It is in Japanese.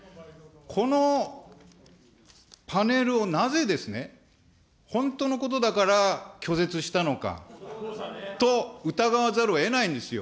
このパネルをなぜですね、本当のことだから拒絶したのかと疑わざるをえないんですよ。